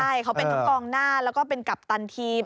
ใช่เขาเป็นทั้งกองหน้าแล้วก็เป็นกัปตันทีม